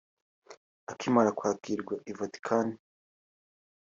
Akimara kwakirwa i Vatican